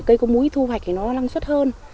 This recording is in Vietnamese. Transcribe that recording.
cây có múi thu hoạch thì nó năng suất hơn